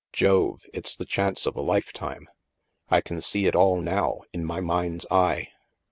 Jove, it's the chance of a lifetime. I can see it all now, in my mind's eye."